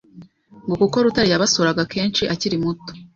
ngo kuko Rutare yabasuraga kenshi akiri muto.